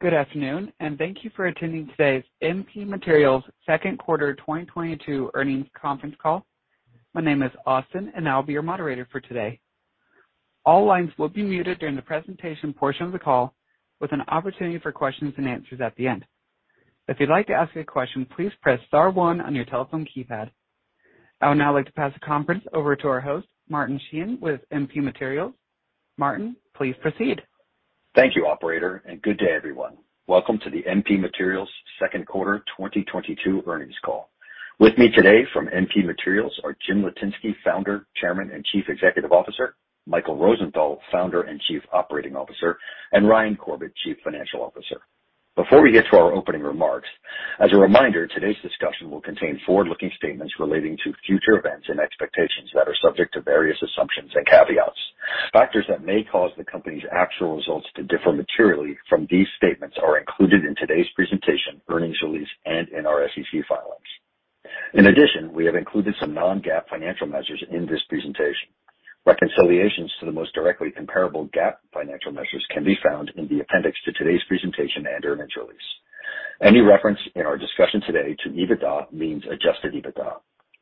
Good afternoon, and thank you for attending today's MP Materials Q2 2022 earnings conference call. My name is Austin, and I'll be your moderator for today. All lines will be muted during the presentation portion of the call, with an opportunity for questions and answers at the end. If you'd like to ask a question, please press star one on your telephone keypad. I would now like to pass the conference over to our host, Martin Sheehan with MP Materials. Martin, please proceed. Thank you, operator, and good day, everyone. Welcome to the MP Materials Q2 2022 earnings call. With me today from MP Materials are Jim Litinsky, Founder, Chairman, and Chief Executive Officer, Michael Rosenthal, Founder and Chief Operating Officer, and Ryan Corbett, Chief Financial Officer. Before we get to our opening remarks, as a reminder, today's discussion will contain forward-looking statements relating to future events and expectations that are subject to various assumptions and caveats. Factors that may cause the company's actual results to differ materially from these statements are included in today's presentation, earnings release, and in our SEC filings. In addition, we have included some non-GAAP financial measures in this presentation. Reconciliations to the most directly comparable GAAP financial measures can be found in the appendix to today's presentation and earnings release. Any reference in our discussion today to EBITDA means adjusted EBITDA.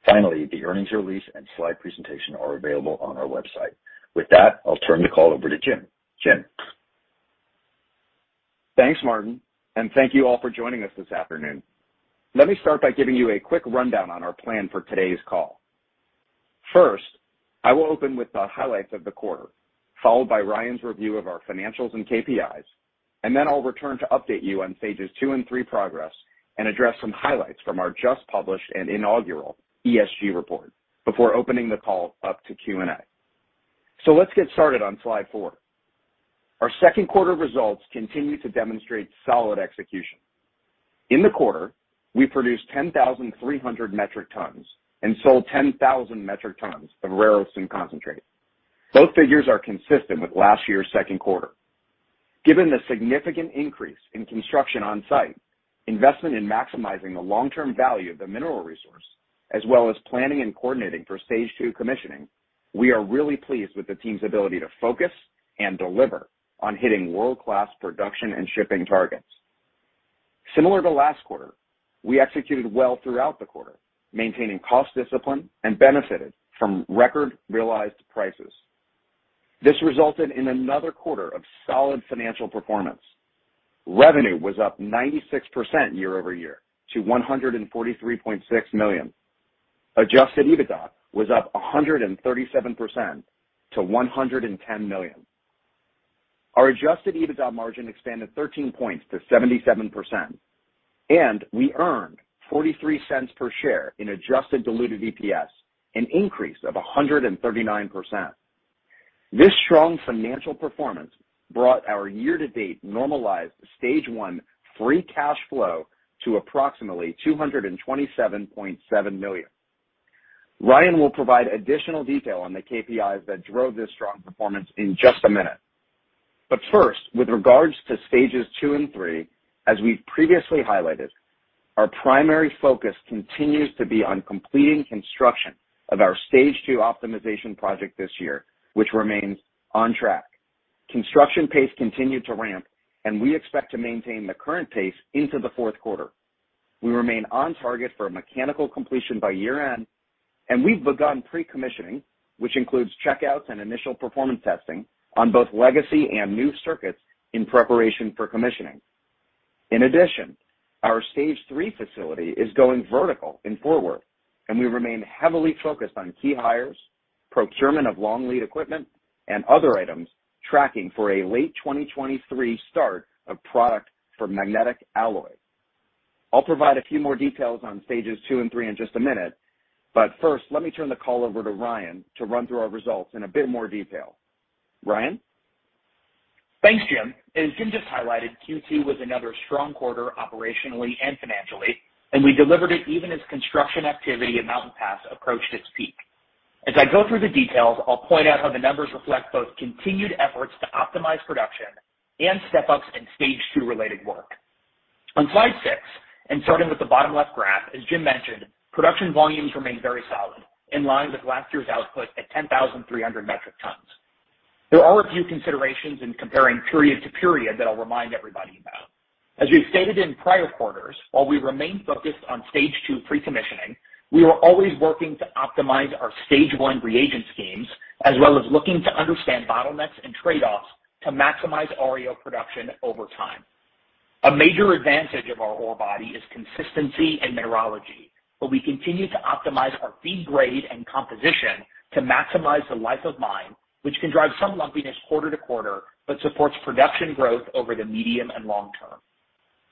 Finally, the earnings release and slide presentation are available on our website. With that, I'll turn the call over to Jim. Jim? Thanks, Martin, and thank you all for joining us this afternoon. Let me start by giving you a quick rundown on our plan for today's call. First, I will open with the highlights of the quarter, followed by Ryan's review of our financials and KPIs, and then I'll return to update you on stages two and three progress and address some highlights from our just published and inaugural ESG report before opening the call up to Q&A. Let's get started on slide four. Our Q2 results continue to demonstrate solid execution. In the quarter, we produced 10,300 metric tons and sold 10,000 metric tons of rare earth concentrate. Both figures are consistent with last year's Q2. Given the significant increase in construction on-site, investment in maximizing the long-term value of the mineral resource, as well as planning and coordinating for stage two commissioning, we are really pleased with the team's ability to focus and deliver on hitting world-class production and shipping targets. Similar to last quarter, we executed well throughout the quarter, maintaining cost discipline and benefited from record realized prices. This resulted in another quarter of solid financial performance. Revenue was up 96% year over year to $143.6 million. Adjusted EBITDA was up 137% to $110 million. Our adjusted EBITDA margin expanded 13 points to 77%, and we earned $0.43 per share in adjusted diluted EPS, an increase of 139%. This strong financial performance brought our year-to-date normalized stage one free cash flow to approximately $227.7 million. Ryan will provide additional detail on the KPIs that drove this strong performance in just a minute. First, with regards to stages two and three, as we've previously highlighted, our primary focus continues to be on completing construction of our stage two optimization project this year, which remains on track. Construction pace continued to ramp, and we expect to maintain the current pace into the Q3. We remain on target for a mechanical completion by year-end, and we've begun pre-commissioning, which includes checkouts and initial performance testing on both legacy and new circuits in preparation for commissioning. In addition, our stage three facility is going vertical and forward, and we remain heavily focused on key hires, procurement of long lead equipment, and other items tracking for a late 2023 start of product for magnetic alloy. I'll provide a few more details on stages two and three in just a minute, but first, let me turn the call over to Ryan to run through our results in a bit more detail. Ryan? Thanks, Jim. As Jim just highlighted, Q2 was another strong quarter operationally and financially, and we delivered it even as construction activity at Mountain Pass approached its peak. As I go through the details, I'll point out how the numbers reflect both continued efforts to optimize production and step-ups in stage two related work. On slide six, and starting with the bottom left graph, as Jim mentioned, production volumes remain very solid, in line with last year's output at 10,300 metric tons. There are a few considerations in comparing period to period that I'll remind everybody about. As we've stated in prior quarters, while we remain focused on stage two pre-commissioning, we are always working to optimize our stage one reagent schemes, as well as looking to understand bottlenecks and trade-offs to maximize REO production over time. A major advantage of our ore body is consistency and mineralogy, but we continue to optimize our feed grade and composition to maximize the life of mine, which can drive some lumpiness quarter to quarter, but supports production growth over the medium and long term.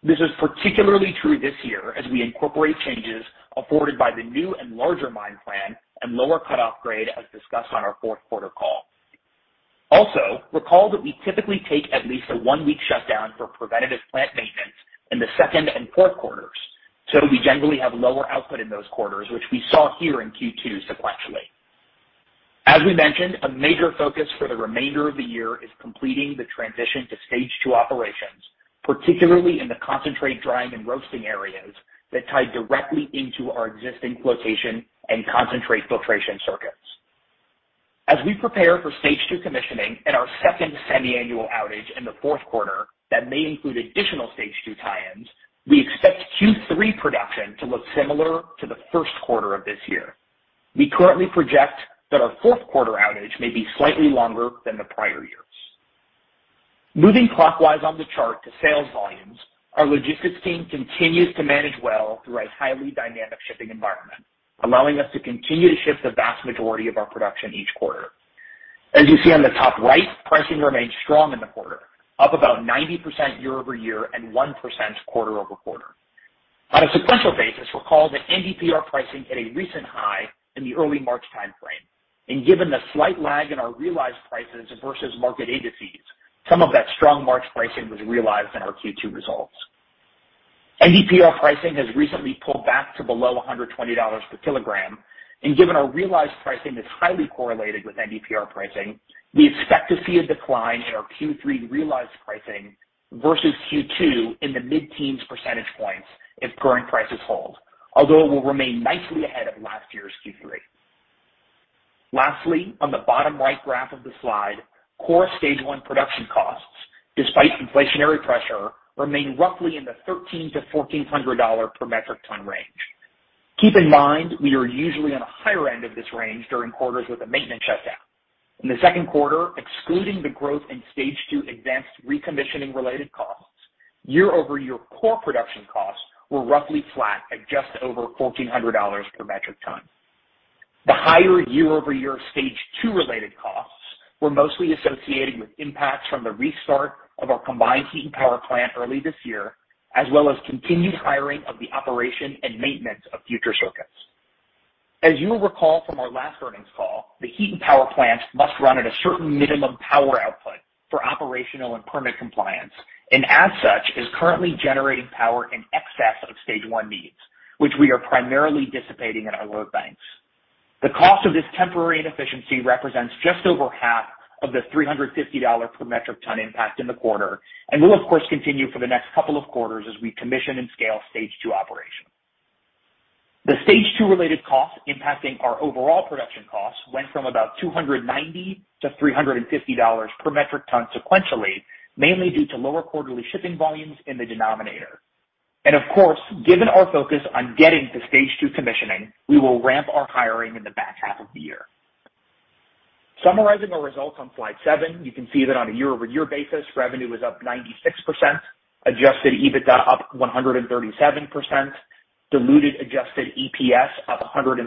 This is particularly true this year as we incorporate changes afforded by the new and larger mine plan and lower cut-off grade, as discussed on our Q3 call. Also, recall that we typically take at least a one-week shutdown for preventative plant maintenance in the second and Q3s, so we generally have lower output in those quarters, which we saw here in Q2 sequentially. As we mentioned, a major focus for the remainder of the year is completing the transition to stage two operations, particularly in the concentrate drying and roasting areas that tie directly into our existing flotation and concentrate filtration circuits. As we prepare for stage two commissioning and our second semiannual outage in the Q3 that may include additional stage two tie-ins, we expect Q3 production to look similar to the Q1 of this year. We currently project that our Q3 outage may be slightly longer than the prior years. Moving clockwise on the chart to sales volumes, our logistics team continues to manage well through a highly dynamic shipping environment, allowing us to continue to ship the vast majority of our production each quarter. As you see on the top right, pricing remained strong in the quarter, up about 90% year-over-year and 1% quarter-over-quarter. On a sequential basis, recall that NdPr pricing hit a recent high in the early March time frame. Given the slight lag in our realized prices versus market agencies, some of that strong March pricing was realized in our Q2 results. NdPr pricing has recently pulled back to below $120 per kilogram, and given our realized pricing is highly correlated with NdPr pricing, we expect to see a decline in our Q3 realized pricing versus Q2 in the mid-teens percentage points if current prices hold, although it will remain nicely ahead of last year's Q3. Lastly, on the bottom right graph of the slide, core stage one production costs, despite inflationary pressure, remain roughly in the $1,300-$1,400 per metric ton range. Keep in mind, we are usually on a higher end of this range during quarters with a maintenance shutdown. In the Q2, excluding the growth in stage two advanced recommissioning-related costs, year-over-year core production costs were roughly flat at just over $1,400 per metric ton. The higher year-over-year stage two-related costs were mostly associated with impacts from the restart of our combined heat and power plant early this year, as well as continued hiring of the operation and maintenance of future circuits. As you will recall from our last earnings call, the heat and power plant must run at a certain minimum power output for operational and permit compliance, and as such, is currently generating power in excess of stage one needs, which we are primarily dissipating in our load banks. The cost of this temporary inefficiency represents just over half of the $350 per metric ton impact in the quarter, and will of course continue for the next couple of quarters as we commission and scale stage two operations. The stage two-related costs impacting our overall production costs went from about $290 to $350 per metric ton sequentially, mainly due to lower quarterly shipping volumes in the denominator. Of course, given our focus on getting to stage two commissioning, we will ramp our hiring in the back half of the year. Summarizing our results on slide seven, you can see that on a year-over-year basis, revenue was up 96%, adjusted EBITDA up 137%, diluted adjusted EPS up 139%,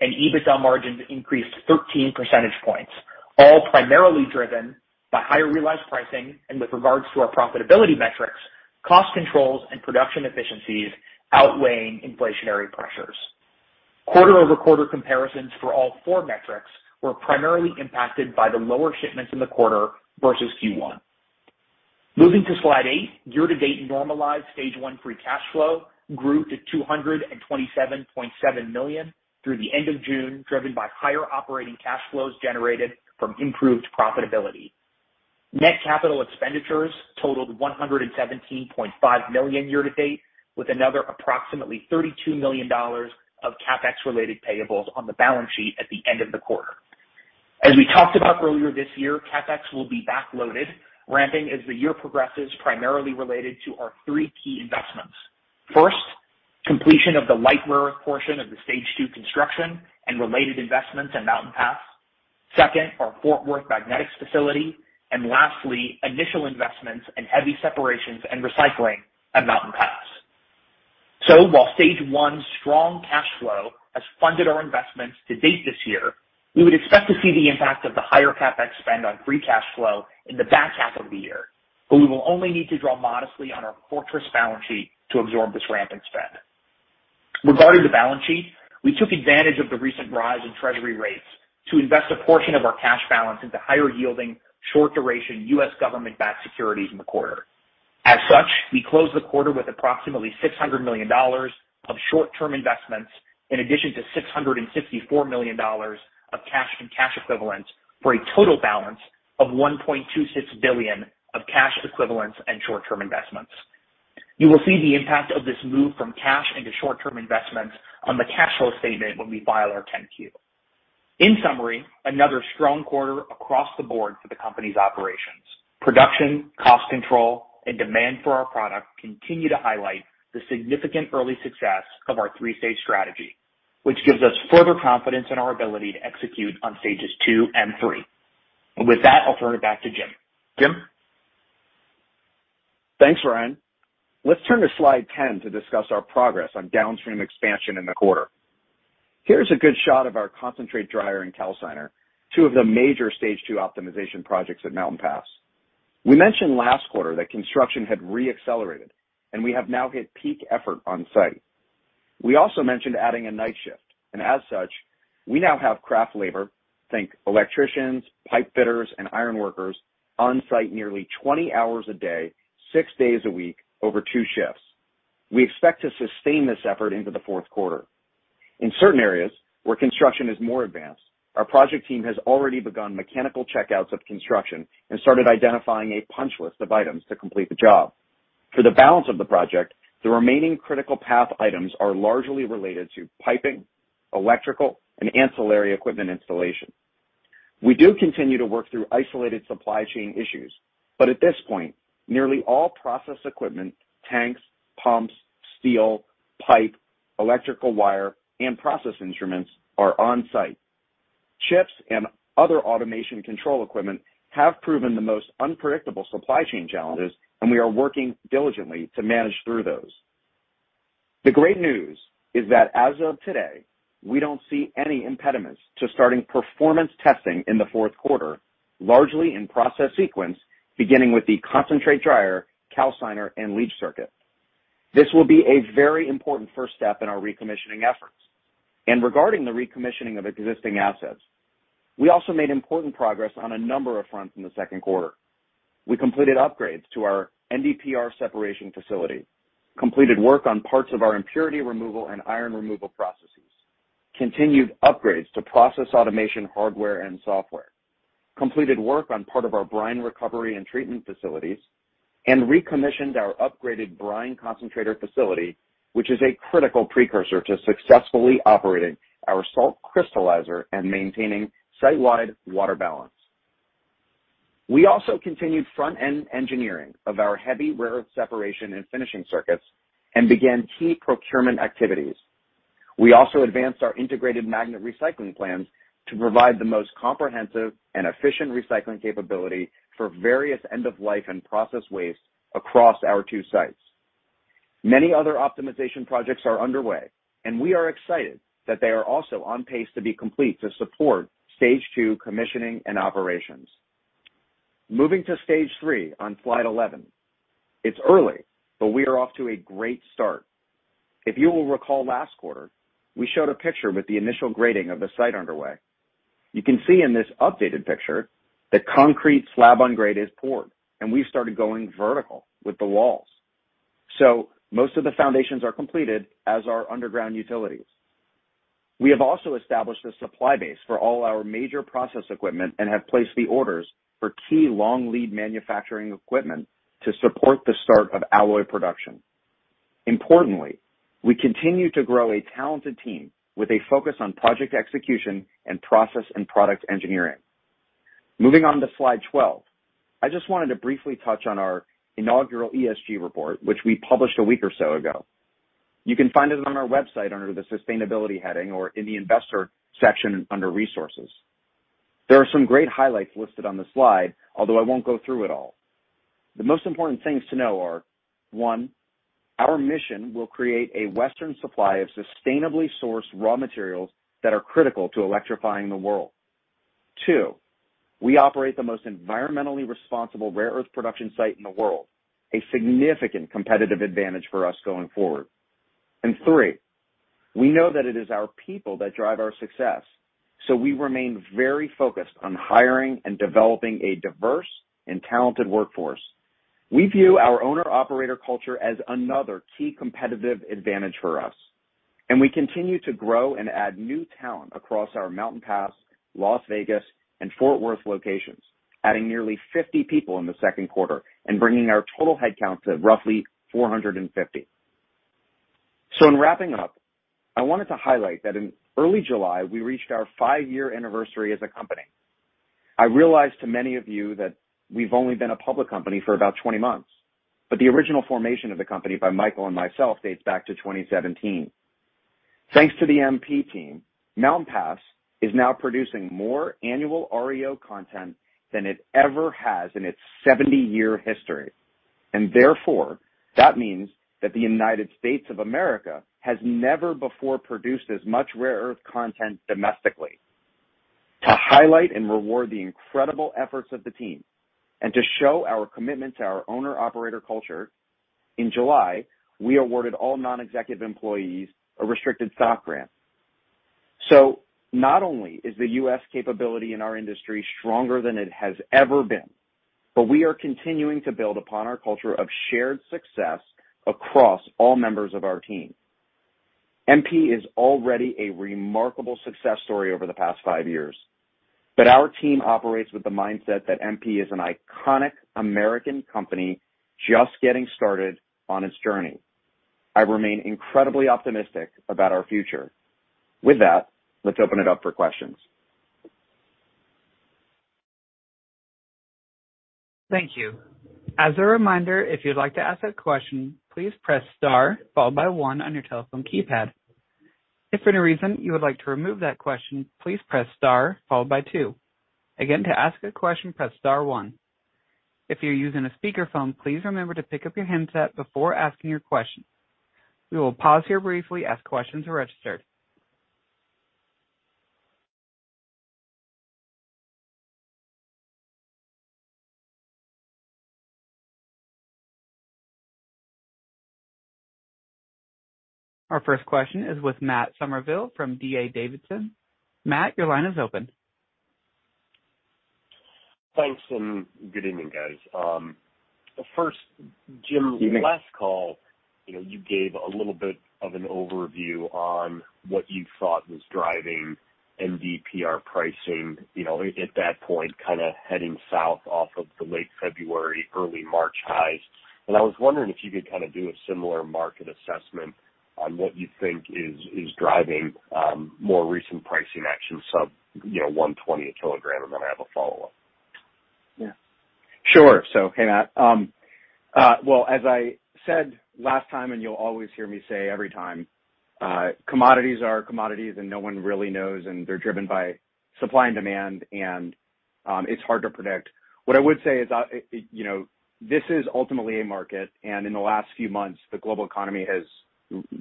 and EBITDA margins increased 13% points, all primarily driven by higher realized pricing and with regards to our profitability metrics, cost controls and production efficiencies outweighing inflationary pressures. Quarter-over-quarter comparisons for all four metrics were primarily impacted by the lower shipments in the quarter versus Q1. Moving to slide eight, year-to-date normalized stage one free cash flow grew to $227.7 million through the end of June, driven by higher operating cash flows generated from improved profitability. Net capital expenditures totaled $117.5 million year to date, with another approximately $32 million of CapEx-related payables on the balance sheet at the end of the quarter. As we talked about earlier this year, CapEx will be backloaded, ramping as the year progresses, primarily related to our three key investments. First, completion of the light rare portion of the stage two construction and related investments at Mountain Pass. Second, our Fort Worth magnetics facility. Lastly, initial investments in heavy separations and recycling at Mountain Pass. While stage one's strong cash flow has funded our investments to date this year, we would expect to see the impact of the higher CapEx spend on free cash flow in the back half of the year, but we will only need to draw modestly on our fortress balance sheet to absorb this ramping spend. Regarding the balance sheet, we took advantage of the recent rise in treasury rates to invest a portion of our cash balance into higher-yielding, short-duration U.S. government-backed securities in the quarter. As such, we closed the quarter with approximately $600 million of short-term investments, in addition to $654 million of cash and cash equivalents, for a total balance of $1.26 billion of cash equivalents and short-term investments. You will see the impact of this move from cash into short-term investments on the cash flow statement when we file our 10-Q. In summary, another strong quarter across the board for the company's operations. Production, cost control, and demand for our product continue to highlight the significant early success of our three-stage strategy, which gives us further confidence in our ability to execute on stages two and three. With that, I'll turn it back to Jim. Jim? Thanks, Ryan. Let's turn to slide 10 to discuss our progress on downstream expansion in the quarter. Here's a good shot of our concentrate dryer and calciner, two of the major stage two optimization projects at Mountain Pass. We mentioned last quarter that construction had re-accelerated, and we have now hit peak effort on-site. We also mentioned adding a night shift, and as such, we now have craft labor, tank electricians, pipe fitters, and ironworkers, on-site nearly 20 hours a day, six days a week, over two shifts. We expect to sustain this effort into the Q3. In certain areas where construction is more advanced, our project team has already begun mechanical checkouts of construction and started identifying a punch list of items to complete the job. For the balance of the project, the remaining critical path items are largely related to piping, electrical, and ancillary equipment installation. We do continue to work through isolated supply chain issues, but at this point, nearly all process equipment, tanks, pumps, steel, pipe, electrical wire, and process instruments are on-site. Chips and other automation control equipment have proven the most unpredictable supply chain challenges, and we are working diligently to manage through those. The great news is that as of today, we don't see any impediments to starting performance testing in the Q3, largely in process sequence, beginning with the concentrate dryer, calciner, and leach circuit. This will be a very important first step in our recommissioning efforts. Regarding the recommissioning of existing assets, we also made important progress on a number of fronts in the Q2. We completed upgrades to our NdPr separation facility, completed work on parts of our impurity removal and iron removal processes, continued upgrades to process automation hardware and software, completed work on part of our brine recovery and treatment facilities, and recommissioned our upgraded brine concentrator facility, which is a critical precursor to successfully operating our salt crystallizer and maintaining site-wide water balance. We also continued front-end engineering of our heavy rare separation and finishing circuits and began key procurement activities. We also advanced our integrated magnet recycling plans to provide the most comprehensive and efficient recycling capability for various end of life and process waste across our two sites. Many other optimization projects are underway, and we are excited that they are also on pace to be complete to support stage two commissioning and operations. Moving to stage three on slide 11. It's early, but we are off to a great start. If you will recall last quarter, we showed a picture with the initial grading of the site underway. You can see in this updated picture that concrete slab on grade is poured, and we've started going vertical with the walls. Most of the foundations are completed as our underground utilities. We have also established a supply base for all our major process equipment and have placed the orders for key long lead manufacturing equipment to support the start of alloy production. Importantly, we continue to grow a talented team with a focus on project execution and process and product engineering. Moving on to slide 12. I just wanted to briefly touch on our inaugural ESG report, which we published a week or so ago. You can find it on our website under the sustainability heading or in the investor section under resources. There are some great highlights listed on the slide, although I won't go through it all. The most important things to know are, one, our mission will create a Western supply of sustainably sourced raw materials that are critical to electrifying the world. Two, we operate the most environmentally responsible rare earth production site in the world, a significant competitive advantage for us going forward. Three, we know that it is our people that drive our success, so we remain very focused on hiring and developing a diverse and talented workforce. We view our owner-operator culture as another key competitive advantage for us, and we continue to grow and add new talent across our Mountain Pass, Las Vegas, and Fort Worth locations, adding nearly 50 people in the Q2 and bringing our total headcount to roughly 450. In wrapping up, I wanted to highlight that in early July, we reached our five-year anniversary as a company. I realize to many of you that we've only been a public company for about 20 months, but the original formation of the company by Michael and myself dates back to 2017. Thanks to the MP team, Mountain Pass is now producing more annual REO content than it ever has in its 70-year history. Therefore, that means that the United States of America has never before produced as much rare earth content domestically. To highlight and reward the incredible efforts of the team and to show our commitment to our owner-operator culture, in July, we awarded all non-executive employees a restricted stock grant. Not only is the U.S. capability in our industry stronger than it has ever been, but we are continuing to build upon our culture of shared success across all members of our team. MP is already a remarkable success story over the past five years, but our team operates with the mindset that MP is an iconic American company just getting started on its journey. I remain incredibly optimistic about our future. With that, let's open it up for questions. Thank you. As a reminder, if you'd like to ask a question, please press star followed by one on your telephone keypad. If for any reason you would like to remove that question, please press star followed by two. Again, to ask a question, press star one. If you're using a speakerphone, please remember to pick up your handset before asking your question. We will pause here briefly as questions are registered. Our first question is with Matt Summerville from D.A. Davidson. Matt, your line is open. Thanks, and good evening, guys. First, Jim Evening You know, you gave a little bit of an overview on what you thought was driving NdPr pricing, you know, at that point, kinda heading south off of the late February, early March highs. I was wondering if you could kinda do a similar market assessment on what you think is driving more recent pricing action sub $120 a kilogram. Then I have a follow-up. Yeah. Sure. Hey, Matt. Well, as I said last time, and you'll always hear me say every time, commodities are commodities, and no one really knows, and they're driven by supply and demand, and it's hard to predict. What I would say is, you know, this is ultimately a market, and in the last few months, the global economy has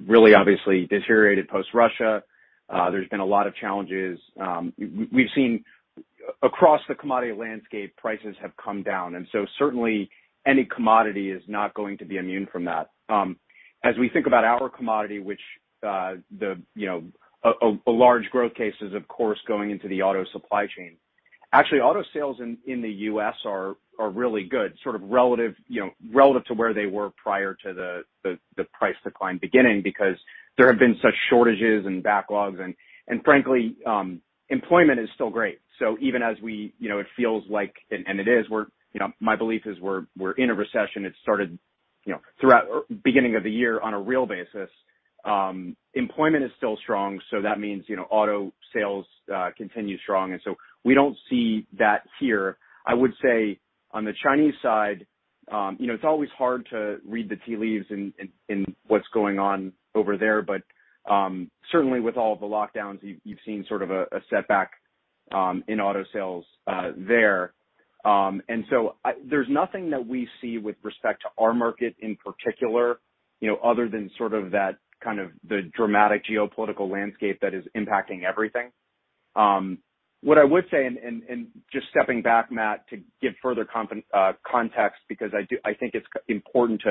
really obviously deteriorated post-Russia. There's been a lot of challenges. We've seen across the commodity landscape, prices have come down, and so certainly any commodity is not going to be immune from that. As we think about our commodity, which, you know, a large growth case is, of course, going into the auto supply chain. Actually, auto sales in the U.S. are really good, sort of relative, you know, relative to where they were prior to the price decline beginning because there have been such shortages and backlogs, and frankly, employment is still great. Even as we—you know, it feels like, and it is. We're, you know, my belief is we're in a recession. It started, you know, throughout or beginning of the year on a real basis. Employment is still strong, so that means, you know, auto sales continue strong. We don't see that here. I would say on the Chinese side, you know, it's always hard to read the tea leaves in what's going on over there. Certainly with all the lockdowns, you've seen sort of a setback in auto sales there. There's nothing that we see with respect to our market in particular, you know, other than sort of that kind of the dramatic geopolitical landscape that is impacting everything. What I would say and just stepping back, Matt, to give further context because I think it's important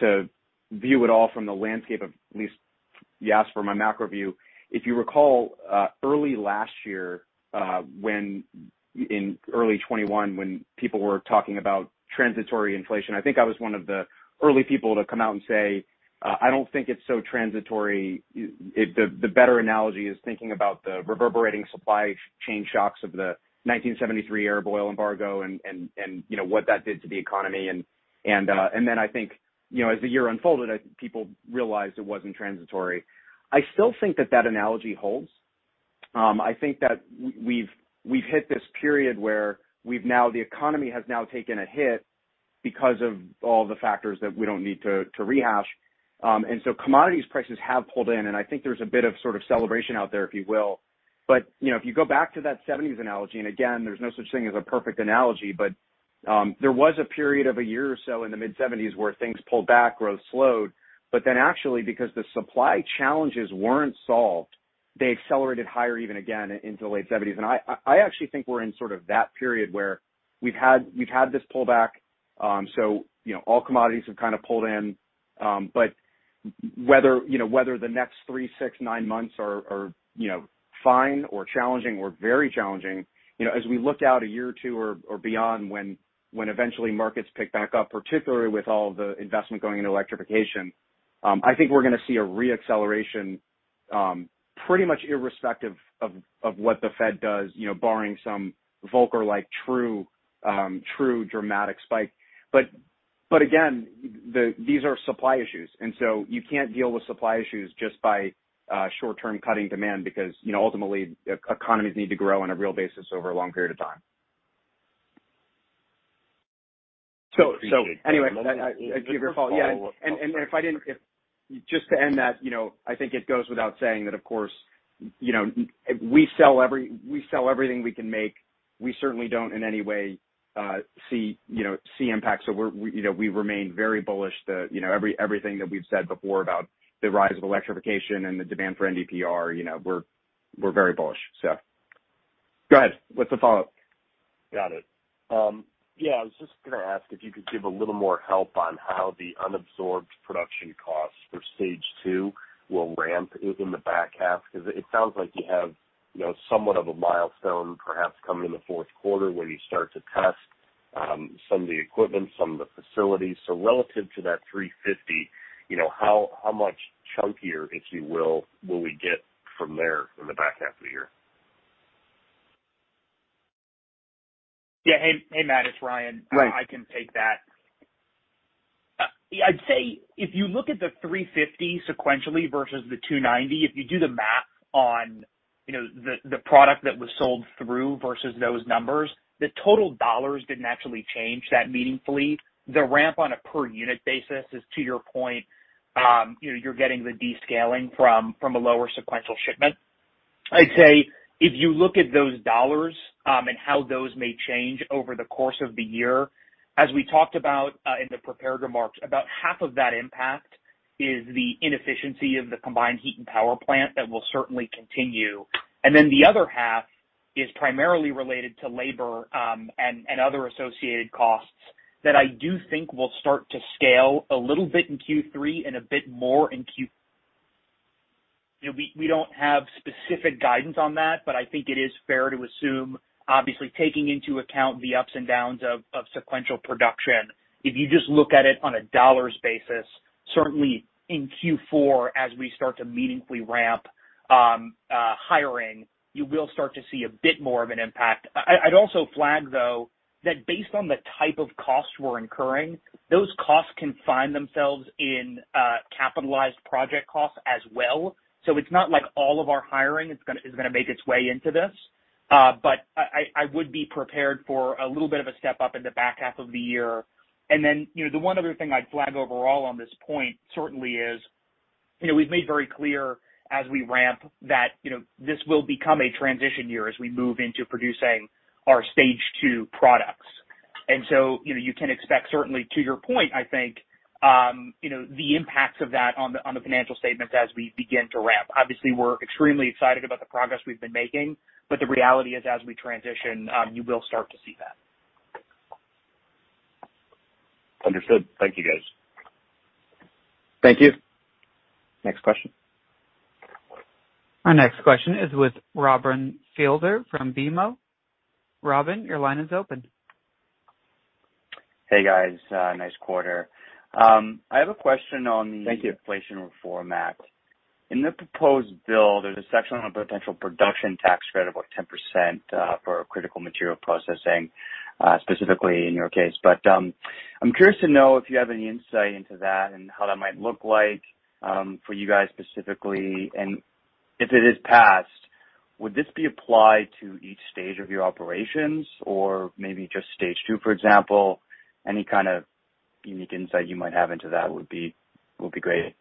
to view it all from the landscape of at least you asked for my macro view. If you recall, early last year, when in early 2021 when people were talking about transitory inflation, I think I was one of the early people to come out and say, I don't think it's so transitory. If the better analogy is thinking about the reverberating supply chain shocks of the 1973 Arab oil embargo and, you know, what that did to the economy. I think, you know, as the year unfolded, I think people realized it wasn't transitory. I still think that analogy holds. I think that we've hit this period where the economy has now taken a hit because of all the factors that we don't need to rehash. Commodities prices have pulled in, and I think there's a bit of sort of celebration out there, if you will. You know, if you go back to that seventies analogy, and again, there's no such thing as a perfect analogy, but there was a period of a year or so in the mid-seventies where things pulled back, growth slowed. Then actually because the supply challenges weren't solved, they accelerated higher even again into the late seventies. I actually think we're in sort of that period where we've had this pullback, so you know, all commodities have kind of pulled in. Whether, you know, whether the next three, six, nine months are fine or challenging or very challenging, you know, as we look out a year or two or beyond when eventually markets pick back up, particularly with all the investment going into electrification, I think we're gonna see a re-acceleration pretty much irrespective of what the Fed does, you know, barring some Volcker-like true dramatic spike. These are supply issues, and so you can't deal with supply issues just by short-term cutting demand because, you know, ultimately economies need to grow on a real basis over a long period of time. Anyway, I give your follow. Yeah. If I didn't just to end that, you know, I think it goes without saying that of course, you know, we sell everything we can make. We certainly don't in any way see, you know, see impact. You know, we remain very bullish. Everything that we've said before about the rise of electrification and the demand for NdPr. You know, we're very bullish. Go ahead. What's the follow-up? Got it. Yeah, I was just gonna ask if you could give a little more help on how the unabsorbed production costs for stage two will ramp in the back half 'cause it sounds like you have, you know, somewhat of a milestone perhaps coming in the Q3 where you start to test some of the equipment, some of the facilities. Relative to that $350, you know, how much chunkier, if you will we get from there in the back half of the year? Yeah. Hey, Matt, it's Ryan. Right. I can take that. I'd say if you look at the $350 sequentially versus the $290, if you do the math on, you know, the product that was sold through versus those numbers, the total dollars didn't actually change that meaningfully. The ramp on a per unit basis is, to your point, you know, you're getting the descaling from a lower sequential shipment. I'd say if you look at those dollars, and how those may change over the course of the year, as we talked about, in the prepared remarks, about half of that impact is the inefficiency of the combined heat and power plant that will certainly continue. Then the other half is primarily related to labor, and other associated costs that I do think will start to scale a little bit in Q3 and a bit more in Q4. You know, we don't have specific guidance on that, but I think it is fair to assume, obviously taking into account the ups and downs of sequential production, if you just look at it on a dollars basis, certainly in Q4 as we start to meaningfully ramp hiring, you will start to see a bit more of an impact. I'd also flag though that based on the type of costs we're incurring, those costs can find themselves in capitalized project costs as well. So it's not like all of our hiring is gonna make its way into this. I would be prepared for a little bit of a step up in the back half of the year. Then, you know, the one other thing I'd flag overall on this point certainly is, you know, we've made very clear as we ramp that, you know, this will become a transition year as we move into producing our stage two products. You know, you can expect certainly to your point, I think, you know, the impacts of that on the financial statements as we begin to ramp. Obviously, we're extremely excited about the progress we've been making, but the reality is as we transition, you will start to see that. Understood. Thank you guys. Thank you. Next question. Our next question is with Robin Fiedler from BMO. Robin, your line is open. Hey guys, nice quarter. I have a question on the- Thank you. Inflation Reform Act. In the proposed bill, there's a section on a potential production tax credit of like 10%, for critical material processing, specifically in your case. But, I'm curious to know if you have any insight into that and how that might look like, for you guys specifically. If it is passed, would this be applied to each stage of your operations or maybe just stage two, for example? Any kind of unique insight you might have into that would be great.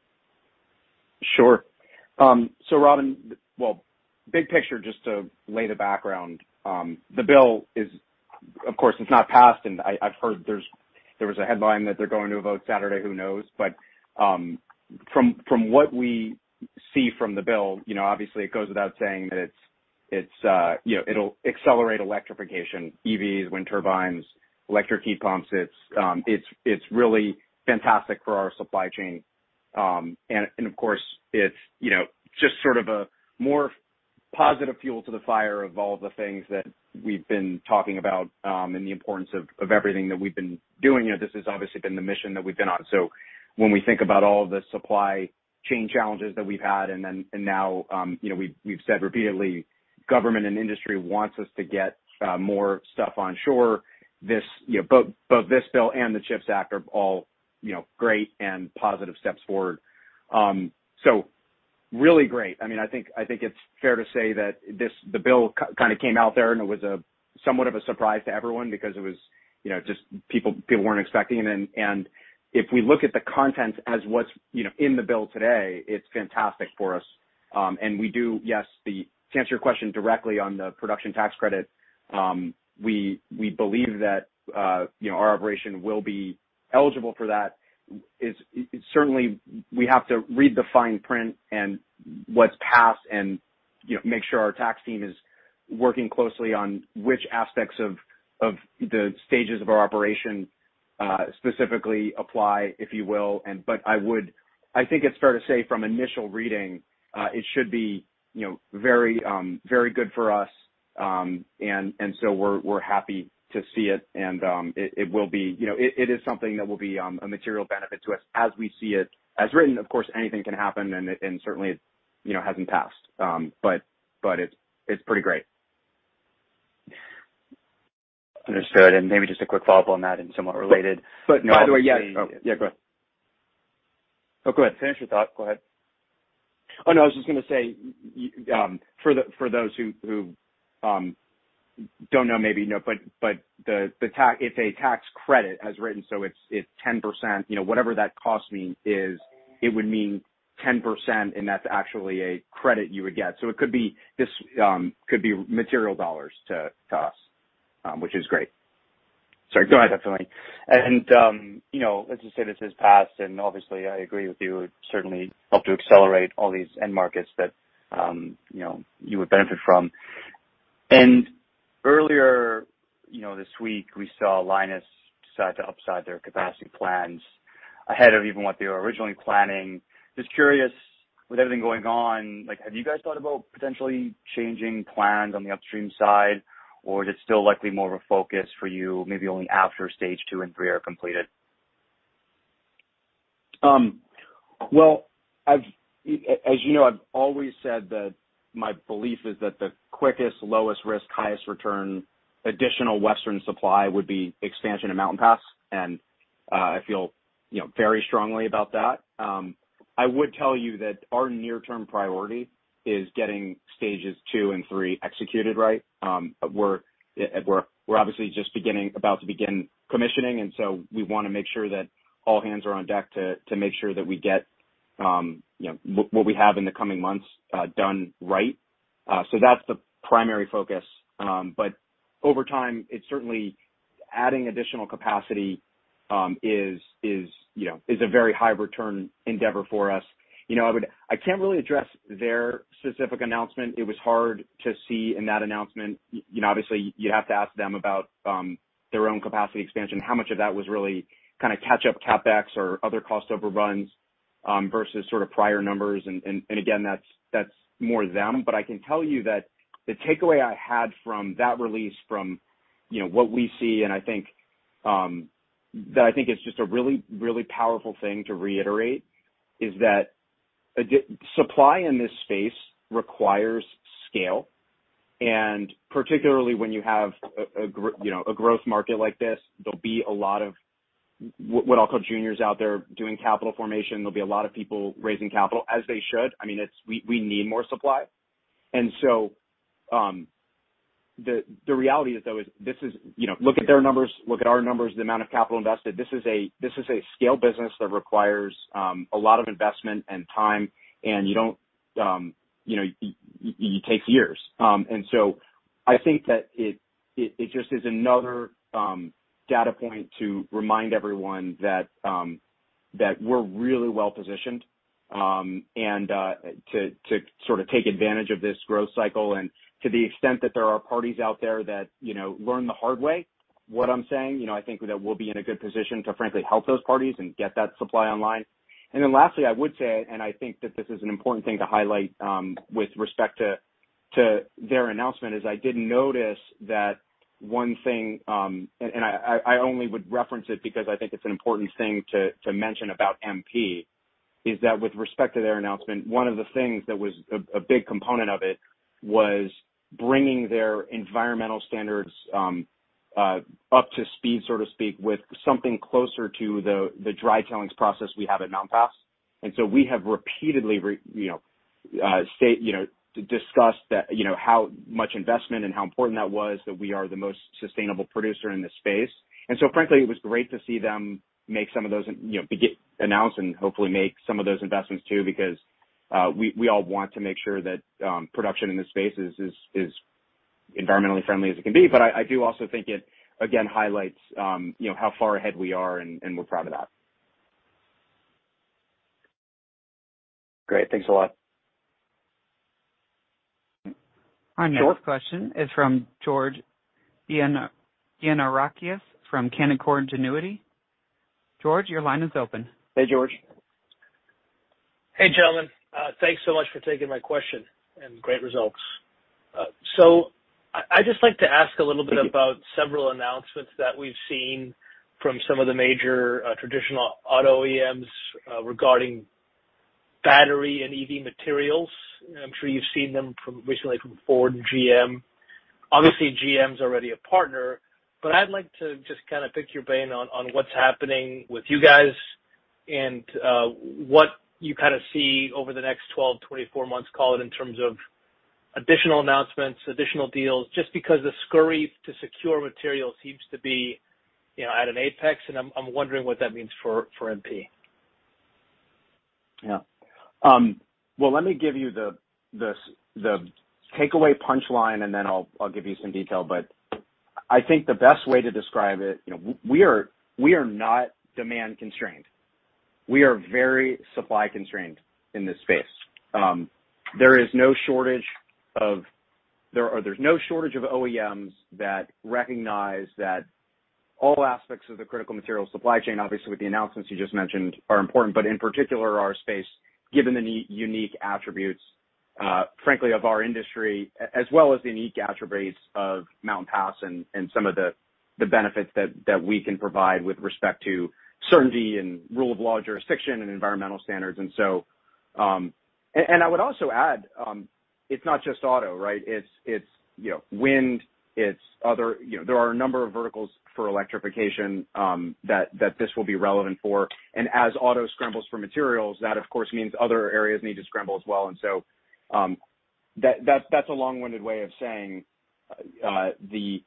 Sure. So Robin, well, big picture just to lay the background, the bill is, of course, it's not passed, and I've heard there was a headline that they're going to vote Saturday, who knows. From what we see from the bill, you know, obviously it goes without saying that it's you know it'll accelerate electrification, EVs, wind turbines, electric heat pumps. It's really fantastic for our supply chain. And of course it's you know just sort of a more positive fuel to the fire of all the things that we've been talking about, and the importance of everything that we've been doing. You know, this has obviously been the mission that we've been on. When we think about all the supply chain challenges that we've had and then, and now, you know, we've said repeatedly, government and industry wants us to get more stuff onshore. This, you know, both this bill and the CHIPS Act are all, you know, great and positive steps forward. Really great. I mean, I think it's fair to say that this bill kind of came out there and it was a somewhat of a surprise to everyone because it was, you know, just people weren't expecting it. If we look at the contents at what's, you know, in the bill today, it's fantastic for us. Yes, to answer your question directly on the production tax credit, we believe that, you know, our operation will be eligible for that. Certainly we have to read the fine print and what's passed and, you know, make sure our tax team is working closely on which aspects of the stages of our operation specifically apply, if you will. I think it's fair to say from initial reading it should be, you know, very very good for us. We're happy to see it and it will be, you know, it is something that will be a material benefit to us as we see it. As written, of course, anything can happen and certainly it, you know, hasn't passed. It's pretty great. Understood. Maybe just a quick follow-up on that and somewhat related. By the way, yeah. Go ahead. Finish your thought. Go ahead. Oh, no, I was just gonna say, for those who don't know, maybe not, but it's a tax credit as written, so it's 10%, you know, whatever that cost means it would mean 10%, and that's actually a credit you would get. It could be material dollars to us, which is great. Sorry, go ahead. Definitely. Let's just say this has passed, and obviously I agree with you. It would certainly help to accelerate all these end markets that you would benefit from. Earlier this week we saw Lynas upsize their capacity plans ahead of even what they were originally planning. Just curious, with everything going on, have you guys thought about potentially changing plans on the upstream side, or is it still likely more of a focus for you maybe only after stage two and three are completed? Well, I've always said that my belief is that the quickest, lowest risk, highest return additional Western supply would be expansion of Mountain Pass, and I feel, you know, very strongly about that. I would tell you that our near-term priority is getting stages two and three executed right. We're obviously just beginning, about to begin commissioning, and we want to make sure that all hands are on deck to make sure that we get, you know, what we have in the coming months, done right. That's the primary focus. Over time, it's certainly adding additional capacity, you know, is a very high return endeavor for us. You know, I can't really address their specific announcement. It was hard to see in that announcement. You know, obviously you'd have to ask them about their own capacity expansion, how much of that was really kinda catch up CapEx or other cost overruns. Versus sort of prior numbers. Again, that's more them. I can tell you that the takeaway I had from that release from what we see, and I think that I think is just a really, really powerful thing to reiterate is that supply in this space requires scale. Particularly when you have a growth market like this, there'll be a lot of what I'll call juniors out there doing capital formation. There'll be a lot of people raising capital, as they should. I mean, it's. We need more supply. The reality is, though, is this is, you know. Look at their numbers, look at our numbers, the amount of capital invested. This is a scale business that requires a lot of investment and time. You don't, you know, you take years. I think that it just is another data point to remind everyone that we're really well positioned and to sort of take advantage of this growth cycle. To the extent that there are parties out there that, you know, learn the hard way what I'm saying, you know, I think that we'll be in a good position to frankly help those parties and get that supply online. Then lastly, I would say, I think that this is an important thing to highlight with respect to their announcement. I did notice that one thing. I only would reference it because I think it's an important thing to mention about MP. With respect to their announcement, one of the things that was a big component of it was bringing their environmental standards up to speed, so to speak, with something closer to the dry tailings process we have at Mountain Pass. We have repeatedly, you know, discussed that, you know, how much investment and how important that was, that we are the most sustainable producer in this space. Frankly, it was great to see them make some of those, you know, announce and hopefully make some of those investments too, because we all want to make sure that production in this space is environmentally friendly as it can be. I do also think it again highlights, you know, how far ahead we are, and we're proud of that. Great. Thanks a lot. Our next question is from George Gianarikas from Canaccord Genuity. George, your line is open. Hey, George. Hey, gentlemen. Thanks so much for taking my question and great results. I'd just like to ask a little bit about several announcements that we've seen from some of the major traditional auto OEMs regarding battery and EV materials. I'm sure you've seen them recently from Ford and GM. Obviously, GM's already a partner. I'd like to just kind of pick your brain on what's happening with you guys and what you kind of see over the next 12, 24 months, call it, in terms of additional announcements, additional deals, just because the scurry to secure material seems to be, you know, at an apex, and I'm wondering what that means for MP. Yeah. Well, let me give you the takeaway punch line, and then I'll give you some detail. I think the best way to describe it, you know, we are not demand constrained. We are very supply constrained in this space. There's no shortage of OEMs that recognize that all aspects of the critical material supply chain, obviously with the announcements you just mentioned, are important. In particular our space, given the unique attributes, frankly of our industry, as well as the unique attributes of Mountain Pass and some of the benefits that we can provide with respect to certainty and rule of law jurisdiction and environmental standards. And I would also add, it's not just auto, right? It's you know, wind, it's other. You know, there are a number of verticals for electrification that this will be relevant for. As auto scrambles for materials, that of course means other areas need to scramble as well. That's a long-winded way of saying the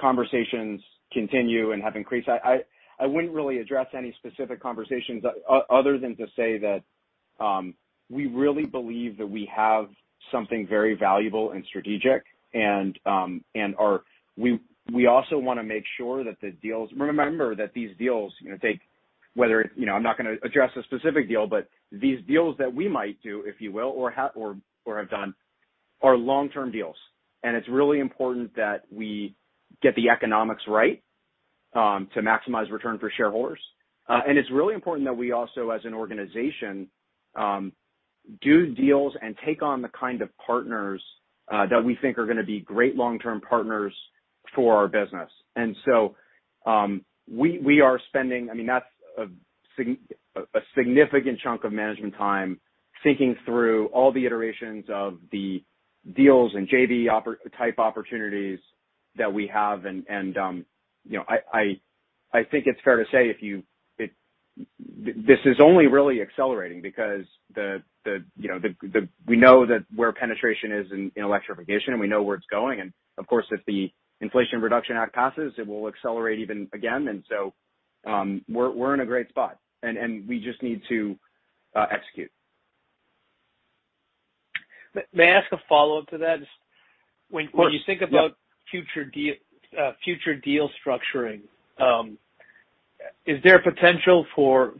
conversations continue and have increased. I wouldn't really address any specific conversations other than to say that we really believe that we have something very valuable and strategic. Remember that these deals, you know, take. You know, I'm not gonna address a specific deal, but these deals that we might do, if you will, or have done, are long-term deals. It's really important that we get the economics right, to maximize return for shareholders. It's really important that we also, as an organization, do deals and take on the kind of partners that we think are gonna be great long-term partners for our business. We are spending. I mean, that's a significant chunk of management time thinking through all the iterations of the deals and JV type opportunities that we have. I think it's fair to say this is only really accelerating because, you know, we know that where penetration is in electrification, and we know where it's going. Of course, if the Inflation Reduction Act passes, it will accelerate even again. We're in a great spot, and we just need to execute. May I ask a follow-up to that? Of course. Yeah. When you think about future deal structuring, is there potential for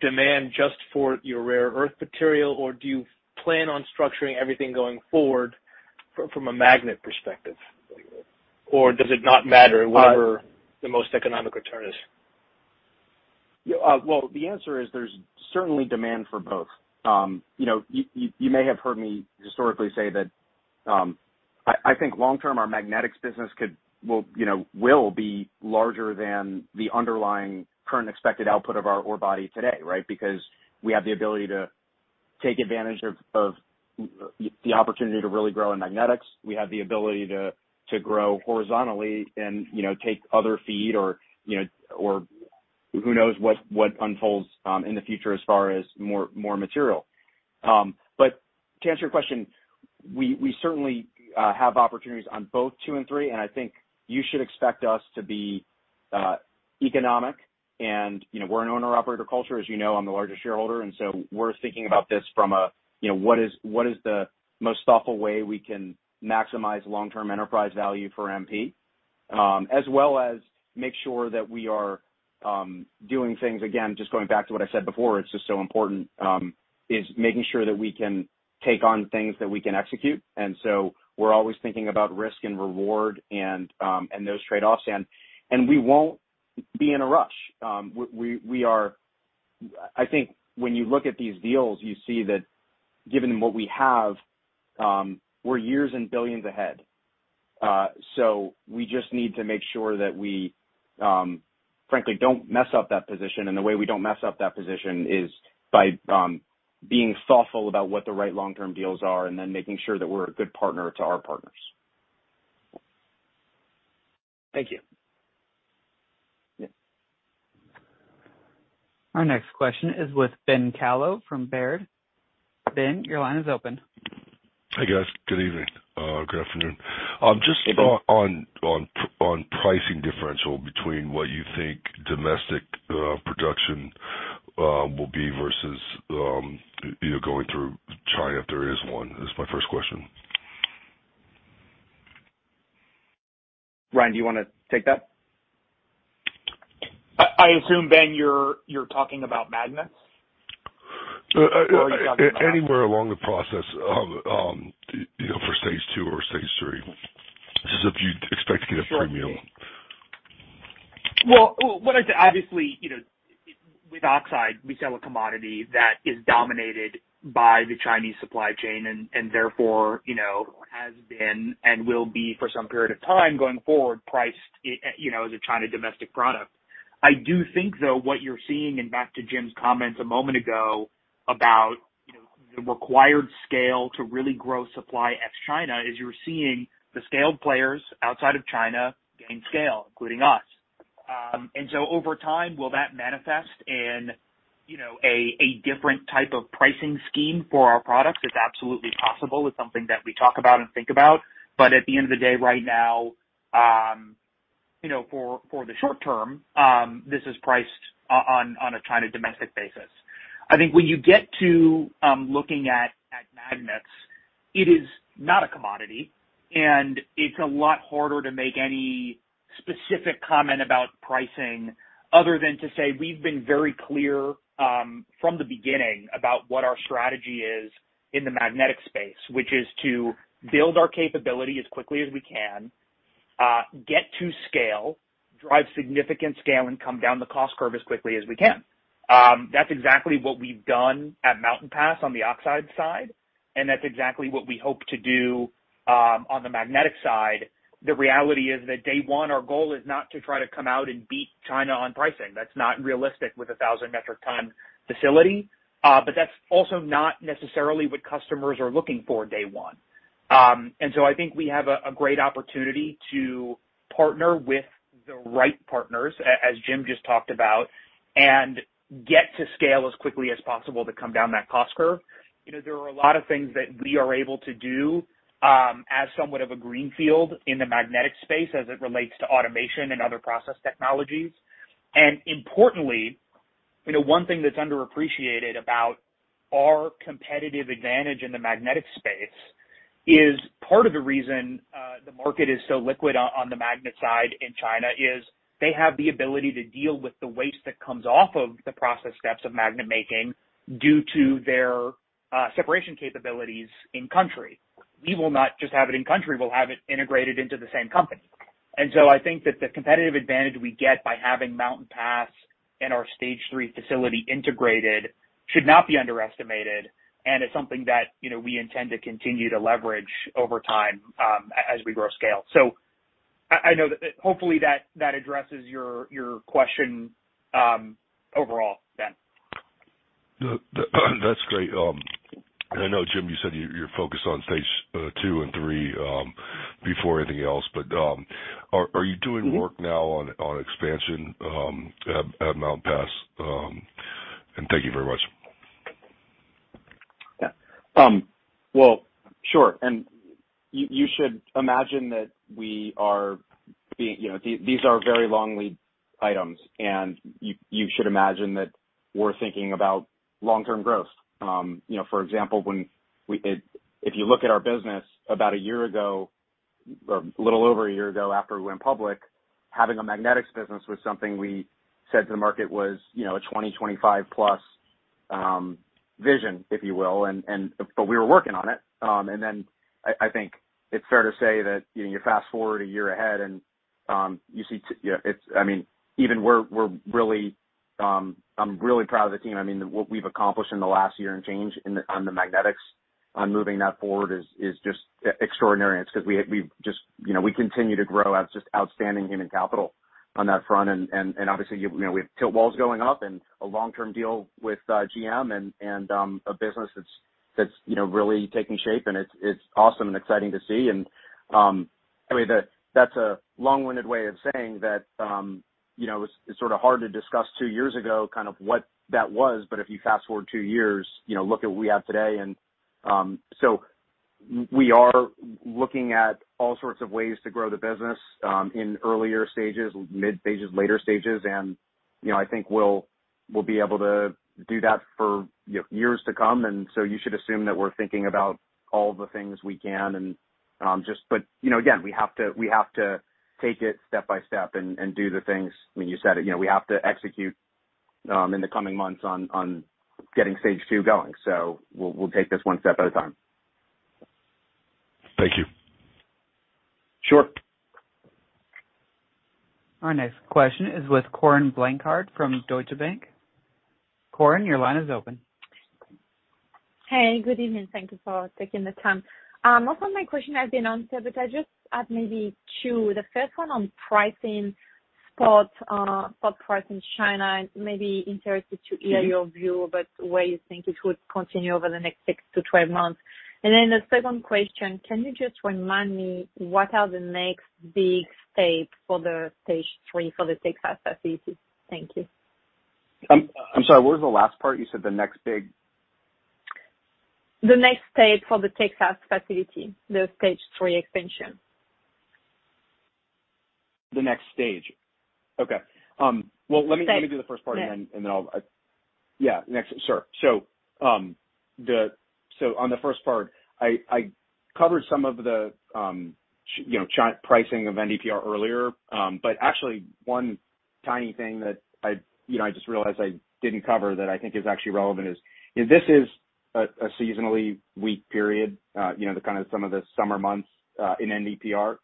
demand just for your rare earth material, or do you plan on structuring everything going forward from a magnet perspective? Does it not matter wherever the most economic return is? Yeah. Well, the answer is there's certainly demand for both. You know, you may have heard me historically say that, I think long term our magnetics business could will you know will be larger than the underlying current expected output of our ore body today, right? Because we have the ability to take advantage of the opportunity to really grow in magnetics. We have the ability to grow horizontally and, you know, take other feed or, you know, or who knows what unfolds in the future as far as more material. But to answer your question, we certainly have opportunities on both two and three, and I think you should expect us to be economic and, you know, we're an owner-operator culture. As you know, I'm the largest shareholder, and so we're thinking about this from a you know what is the most thoughtful way we can maximize long-term enterprise value for MP, as well as make sure that we are doing things. Again, just going back to what I said before, it's just so important is making sure that we can take on things that we can execute. We're always thinking about risk and reward and those trade-offs. We won't be in a rush. We are. I think when you look at these deals, you see that given what we have, we're years and billions ahead. We just need to make sure that we frankly don't mess up that position. The way we don't mess up that position is by being thoughtful about what the right long-term deals are and then making sure that we're a good partner to our partners. Thank you. Yeah. Our next question is with Ben Kallo from Baird. Ben, your line is open. Hi, guys. Good evening. Good afternoon. Just on pricing differential between what you think domestic production will be versus, you know, going through China, if there is one. That's my first question. Ryan, do you wanna take that? I assume, Ben, you're talking about magnets? Anywhere along the process of, you know, for stage two or stage three. Just if you'd expect to get a premium? Well, what I said, obviously, you know, with oxide, we sell a commodity that is dominated by the Chinese supply chain and therefore, you know, has been and will be for some period of time going forward, priced, you know, as a China domestic product. I do think, though, what you're seeing, and back to Jim's comments a moment ago, about, you know, the required scale to really grow supply ex-China is you're seeing the scaled players outside of China gain scale, including us. Over time, will that manifest in, you know, a different type of pricing scheme for our product? It's absolutely possible. It's something that we talk about and think about. At the end of the day, right now, you know, for the short term, this is priced on a China domestic basis. I think when you get to looking at magnets, it is not a commodity, and it's a lot harder to make any specific comment about pricing other than to say we've been very clear from the beginning about what our strategy is in the magnetic space, which is to build our capability as quickly as we can, get to scale, drive significant scale, and come down the cost curve as quickly as we can. That's exactly what we've done at Mountain Pass on the oxide side, and that's exactly what we hope to do on the magnetic side. The reality is that day one, our goal is not to try to come out and beat China on pricing. That's not realistic with a 1,000 metric ton facility. But that's also not necessarily what customers are looking for day one. I think we have a great opportunity to partner with the right partners, as Jim just talked about, and get to scale as quickly as possible to come down that cost curve. You know, there are a lot of things that we are able to do, as somewhat of a greenfield in the magnetic space as it relates to automation and other process technologies. Importantly, you know, one thing that's underappreciated about our competitive advantage in the magnetic space is part of the reason the market is so liquid on the magnet side in China is they have the ability to deal with the waste that comes off of the process steps of magnet making due to their separation capabilities in country. We will not just have it in country, we'll have it integrated into the same company. I think that the competitive advantage we get by having Mountain Pass and our stage three facility integrated should not be underestimated, and it's something that, you know, we intend to continue to leverage over time, as we grow scale. I know that hopefully that addresses your question overall, Ben. That's great. I know, Jim, you said you're focused on stage two and three before anything else, but are you doing work now on expansion at Mountain Pass? Thank you very much. Yeah. Well, sure. You should imagine. You know, these are very long lead items, and you should imagine that we're thinking about long-term growth. You know, for example, if you look at our business about a year ago, a little over a year ago after we went public, having a magnetics business was something we said to the market was, you know, a 2025-plus vision, if you will. But we were working on it. I think it's fair to say that, you know, you fast-forward a year ahead and you see. You know, it's. I mean, even we're really, I'm really proud of the team. I mean, what we've accomplished in the last year and change in the on the magnetics on moving that forward is just extraordinary. It's 'cause we've just. You know, we continue to grow. Have just outstanding human capital on that front. Obviously, you know, we have tilt walls going up and a long-term deal with GM and a business that's you know, really taking shape, and it's awesome and exciting to see. Anyway, that's a long-winded way of saying that, you know, it's sort of hard to discuss two years ago kind of what that was, but if you fast-forward two years, you know, look at what we have today and. We are looking at all sorts of ways to grow the business in earlier stages, mid stages, later stages. You know, I think we'll be able to do that for years to come. You should assume that we're thinking about all the things we can and just. You know, again, we have to take it step by step and do the things. I mean, you said it, you know, we have to execute in the coming months on getting stage two going. We'll take this one step at a time. Thank you. Sure. Our next question is with Corinne Blanchard from Deutsche Bank. Corinne, your line is open. Hey, good evening. Thank you for taking the time. Most of my question has been answered, but I just add maybe two. The first one on pricing spot price in China. I'm interested to hear your view about where you think it would continue over the next 6 to 12 months. Then the second question, can you just remind me what are the next big stage for the stage three for the Texas facilities? Thank you. I'm sorry, what was the last part? You said the next big. The next stage for the Texas facility, the stage three expansion. The next stage. Okay. Well, let me. Stage. Yeah. Let me do the first part and then I'll. Yeah, next. Sure. On the first part, I covered some of the China pricing of NdPr earlier. Actually one tiny thing that I you know just realized I didn't cover that I think is actually relevant is you know this is a seasonally weak period you know the kind of some of the summer months in NdPr.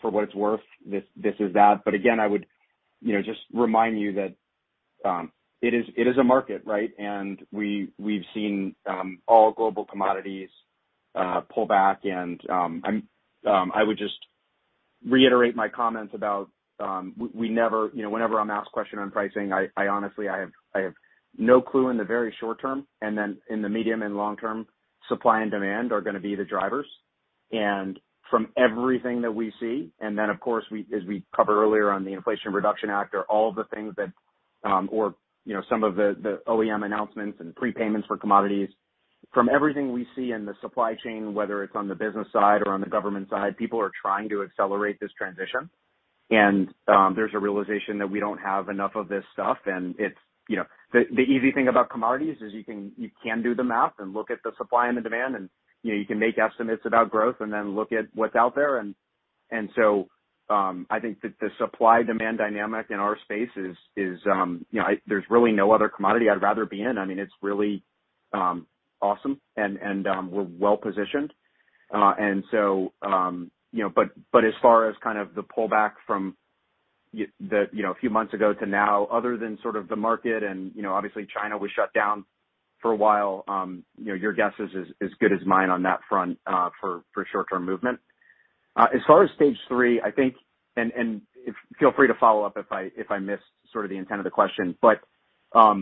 For what it's worth, this is that. Again, I would you know just remind you that it is a market, right? We've seen all global commodities pull back and I would just reiterate my comments about we never. You know, whenever I'm asked question on pricing, I honestly have no clue in the very short term, and then in the medium and long term, supply and demand are gonna be the drivers. From everything that we see, and then of course, as we covered earlier on the Inflation Reduction Act or all the things that, or, you know, some of the OEM announcements and prepayments for commodities. From everything we see in the supply chain, whether it's on the business side or on the government side, people are trying to accelerate this transition. There's a realization that we don't have enough of this stuff. It's, you know. The easy thing about commodities is you can do the math and look at the supply and the demand and, you know, you can make estimates about growth and then look at what's out there. I think the supply-demand dynamic in our space is, you know, there's really no other commodity I'd rather be in. I mean, it's really awesome and we're well-positioned. You know, as far as kind of the pullback from the, you know, a few months ago to now, other than sort of the market and, you know, obviously China was shut down for a while, you know, your guess is as good as mine on that front, for short-term movement. As far as stage three, I think. Feel free to follow up if I missed sort of the intent of the question. The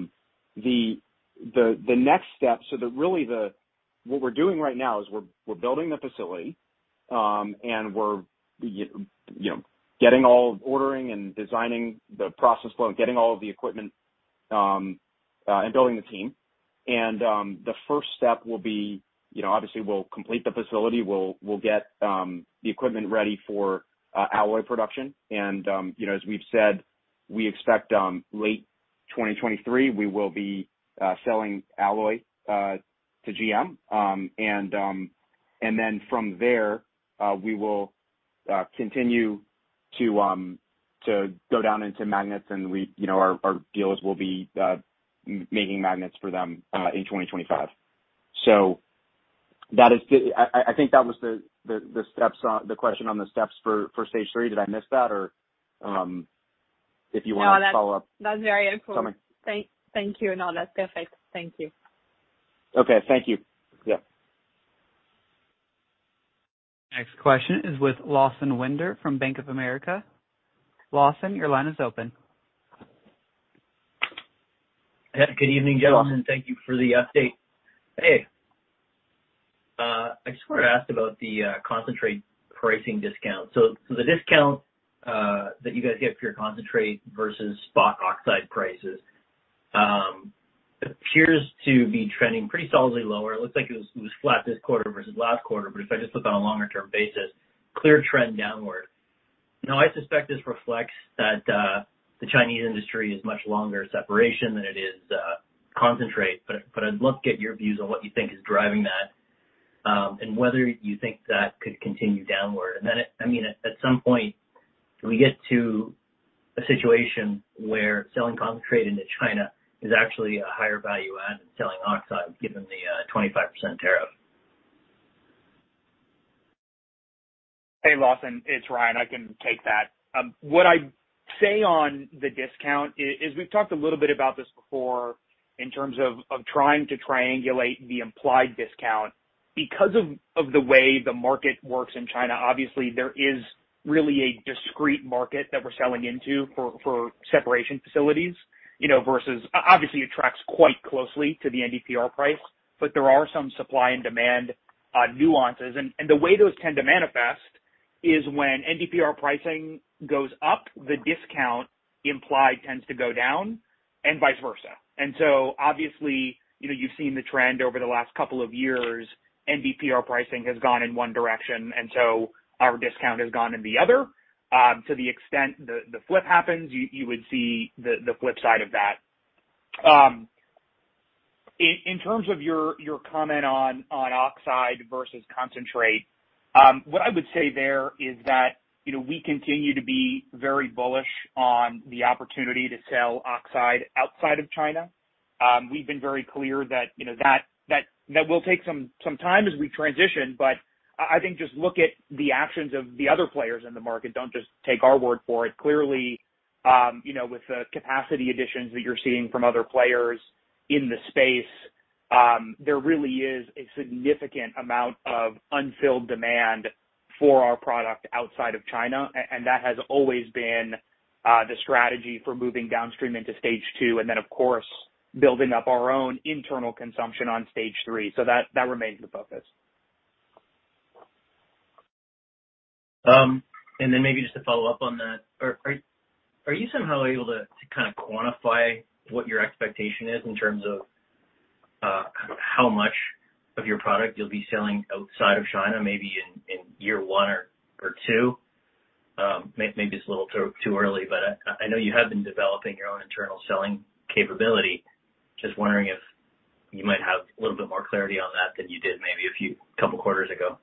next step is what we're doing right now is we're building the facility, and we're, you know, ordering and designing the process flow and getting all of the equipment and building the team. The first step will be, you know, obviously we'll complete the facility. We'll get the equipment ready for alloy production. You know, as we've said, we expect late 2023 we will be selling alloy to GM. From there, we will continue to go down into magnets and we, you know, our dealers will be making magnets for them in 2025. That is, I think, that was the question on the steps for stage three. Did I miss that? If you wanna follow up. No, that's very helpful. Tell me. Thank you. No, that's perfect. Thank you. Okay. Thank you. Yeah. Next question is with Lawson Winder from Bank of America. Lawson, your line is open. Yeah. Good evening, gentlemen. Thank you for the update. Hey, I just wanna ask about the concentrate pricing discount. The discount that you guys get for your concentrate versus spot oxide prices appears to be trending pretty solidly lower. It looks like it was flat this quarter versus last quarter, but if I just look on a longer term basis, clear trend downward. I suspect this reflects that the Chinese industry is much larger separation than it is concentrate, but I'd like your views on what you think is driving that and whether you think that could continue downward. At some point do we get to a situation where selling concentrate into China is actually a higher value add than selling oxide given the 25% tariff? Hey, Lawson, it's Ryan. I can take that. What I'd say on the discount is we've talked a little bit about this before in terms of trying to triangulate the implied discount. Because of the way the market works in China, obviously there is really a discrete market that we're selling into for separation facilities, you know, versus. Obviously it tracks quite closely to the NdPr price, but there are some supply and demand nuances. The way those tend to manifest is when NdPr pricing goes up, the discount implied tends to go down, and vice versa. Obviously, you know, you've seen the trend over the last couple of years. NdPr pricing has gone in one direction, and so our discount has gone in the other. To the extent the flip happens, you would see the flip side of that. In terms of your comment on oxide versus concentrate, what I would say there is that, you know, we continue to be very bullish on the opportunity to sell oxide outside of China. We've been very clear that, you know, that will take some time as we transition. I think just look at the actions of the other players in the market. Don't just take our word for it. Clearly, you know, with the capacity additions that you're seeing from other players in the space, there really is a significant amount of unfilled demand for our product outside of China. That has always been the strategy for moving downstream into stage two and then, of course, building up our own internal consumption on stage three. That remains the focus. Maybe just to follow up on that. Are you somehow able to kind of quantify what your expectation is in terms of kind of how much of your product you'll be selling outside of China maybe in year one or two? Maybe it's a little too early, but I know you have been developing your own internal selling capability. Just wondering if you might have a little bit more clarity on that than you did maybe a couple quarters ago.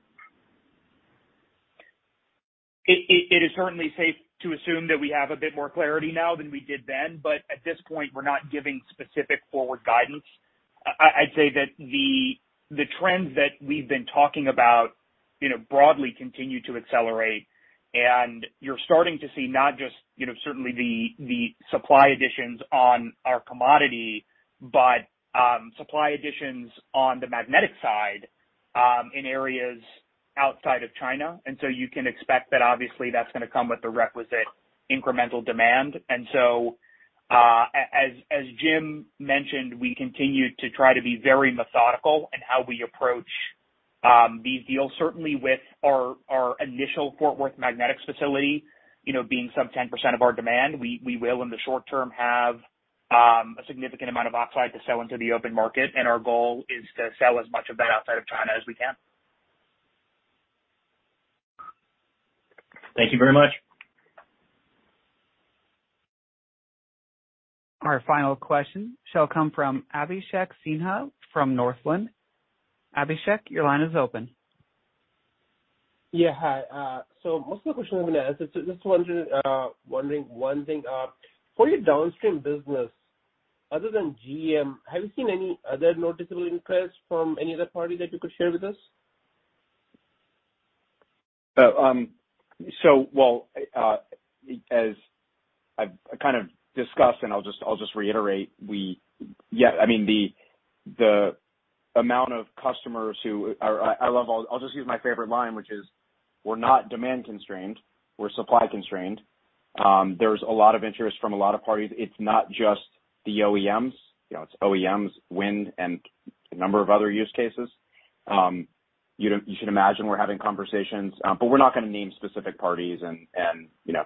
It is certainly safe to assume that we have a bit more clarity now than we did then, but at this point we're not giving specific forward guidance. I'd say that the trends that we've been talking about, you know, broadly continue to accelerate. You're starting to see not just, you know, certainly the supply additions on our commodity, but supply additions on the magnetic side in areas outside of China. You can expect that obviously that's gonna come with the requisite incremental demand. As Jim mentioned, we continue to try to be very methodical in how we approach these deals. Certainly with our initial Fort Worth magnetics facility, you know, being sub-10% of our demand, we will in the short term have a significant amount of oxide to sell into the open market, and our goal is to sell as much of that outside of China as we can. Thank you very much. Our final question shall come from Abhishek Sinha from Northland. Abhishek, your line is open. Yeah, hi. Most of the questions I'm gonna ask is just wondering one thing. For your downstream business, other than GM, have you seen any other noticeable interest from any other party that you could share with us? Well, as I've kind of discussed, and I'll just reiterate, yeah, I mean, the amount of customers who are. I'll just use my favorite line, which is we're not demand constrained, we're supply constrained. There's a lot of interest from a lot of parties. It's not just the OEMs. You know, it's OEMs, wind, and a number of other use cases. You should imagine we're having conversations, but we're not gonna name specific parties, and you know,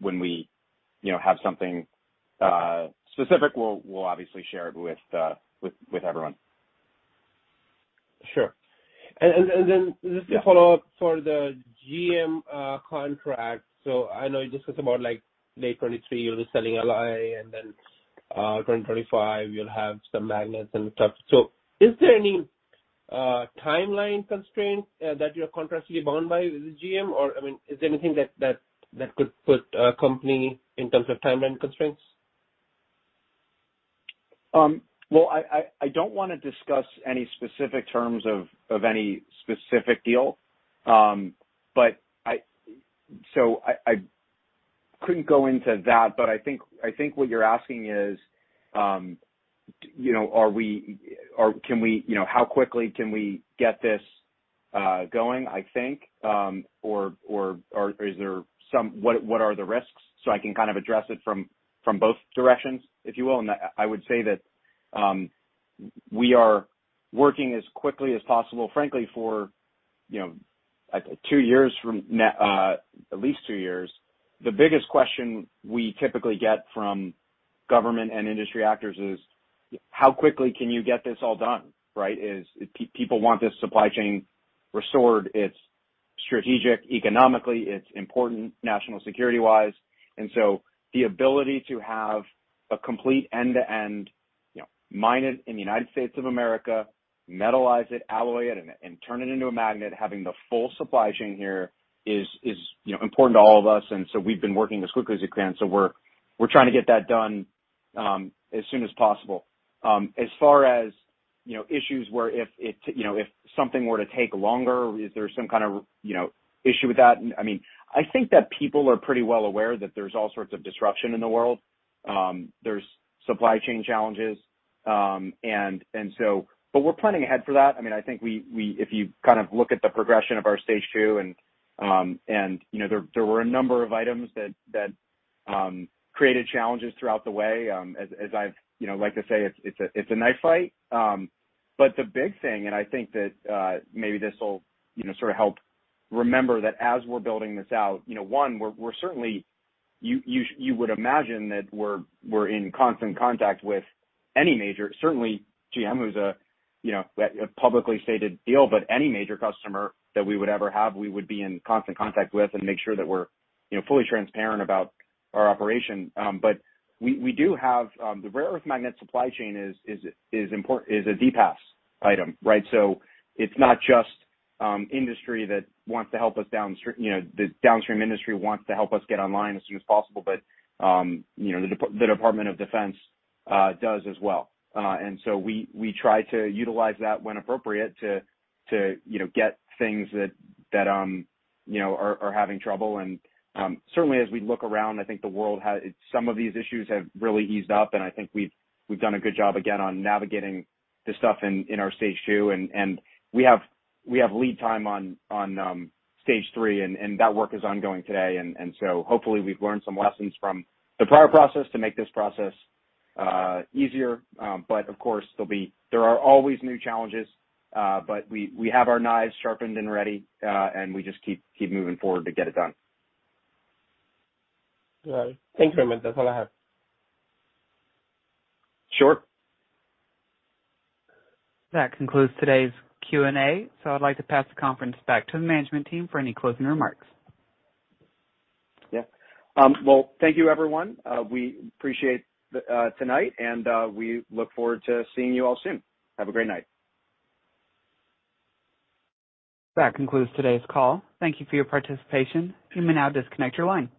when we have something specific, we'll obviously share it with everyone. Sure. Just to follow up for the GM contract. I know you discussed about like late 2023 you'll be selling alloy and then 2025 you'll have some magnets and stuff. Is there any timeline constraint that you're contractually bound by with GM? I mean, is there anything that could put company in terms of timeline constraints? Well, I don't wanna discuss any specific terms of any specific deal. I couldn't go into that. I think what you're asking is, you know, are we or can we you know, how quickly can we get this going, I think, or what are the risks? I can kind of address it from both directions, if you will. I would say that we are working as quickly as possible. Frankly, for you know, like two years, at least two years, the biggest question we typically get from government and industry actors is, how quickly can you get this all done, right? People want this supply chain restored. Strategic economically, it's important national security-wise. The ability to have a complete end-to-end, you know, mine it in the United States of America, metallize it, alloy it, and turn it into a magnet, having the full supply chain here is, you know, important to all of us. We've been working as quickly as we can. We're trying to get that done as soon as possible. As far as, you know, issues where you know, if something were to take longer, is there some kind of, you know, issue with that? I mean, I think that people are pretty well aware that there's all sorts of disruption in the world. There's supply chain challenges. But we're planning ahead for that. I mean, I think if you kind of look at the progression of our stage two and, you know, there were a number of items that created challenges throughout the way, as I've you know, like I say, it's a knife fight. The big thing, and I think that maybe this will, you know, sort of help remember that as we're building this out, you know, one, we're certainly, you would imagine that we're in constant contact with any major. Certainly, GM, who's a publicly stated deal, but any major customer that we would ever have, we would be in constant contact with and make sure that we're, you know, fully transparent about our operation. We do have the rare earth magnet supply chain is a DPAS item, right? So it's not just industry that wants to help us downstream, you know, the downstream industry wants to help us get online as soon as possible. You know, the Department of Defense does as well. We try to utilize that when appropriate to you know, get things that you know, are having trouble. Certainly as we look around, I think the world some of these issues have really eased up, and I think we've done a good job again on navigating this stuff in our stage two. We have lead time on stage three, and that work is ongoing today. Hopefully we've learned some lessons from the prior process to make this process easier. Of course, there are always new challenges, but we have our knives sharpened and ready, and we just keep moving forward to get it done. All right. Thank you very much. That's all I have. Sure. That concludes today's Q&A. I'd like to pass the conference back to the management team for any closing remarks. Yeah. Well, thank you everyone. We appreciate the time tonight, and we look forward to seeing you all soon. Have a great night. That concludes today's call. Thank you for your participation. You may now disconnect your line.